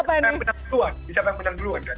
siapa yang menang duluan